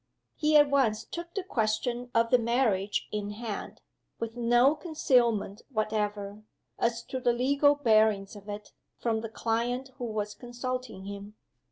He at once took the question of the marriage in hand with no concealment whatever, as to the legal bearings of it, from the client who was consulting him.